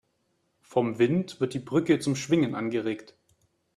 Vom Wind wird die Brücke zum Schwingen angeregt.